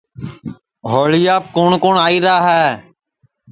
ہوݪیاپ کُوٹؔ کُوٹؔ آئیرا ہے